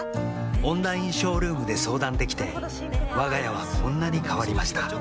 オンラインショールームで相談できてわが家はこんなに変わりました